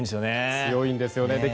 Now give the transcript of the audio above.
強いんですよね。